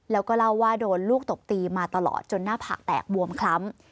แล้วก็เล่าว่าโดนลูกตบตีมาตลอดจนหน้าผากแตกบวมคล้ำ